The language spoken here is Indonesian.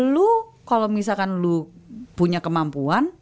lu kalau misalkan lu punya kemampuan